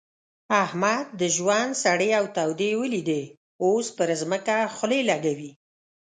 احمد د ژوند سړې او تودې وليدې؛ اوس پر ځمکه خولې لګوي.